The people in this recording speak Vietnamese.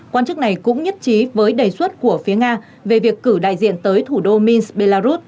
quan chức này cũng nhất trí với đề xuất của phía nga về việc cử đại diện tới thủ đô mins belarus